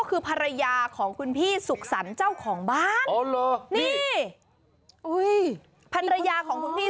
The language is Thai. คือภรรยาของคุณพี่สุขสรรค์เจ้าของบ้านนี่อุ้ยภรรยาของคุณพี่